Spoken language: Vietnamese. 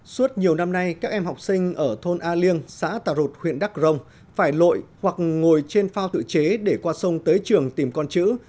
suốt nhiều năm nay các em học sinh ở thôn a liêng xã tà rụt huyện đắk rồng phải lội hoặc ngồi trên phao tự chế để qua sông tới trường tìm con chữ